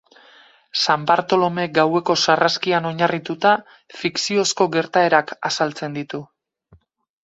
San Bartolome gaueko sarraskian oinarrituta, fikziozko gertaerak azaltzen ditu.